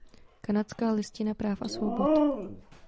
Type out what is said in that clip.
Kanadská listina práv a svobod.